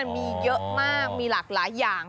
มีเยอะมากมีหลากหลายอย่าง